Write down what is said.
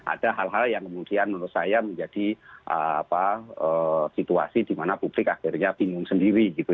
ada hal hal yang kemudian menurut saya menjadi situasi di mana publik akhirnya bingung sendiri gitu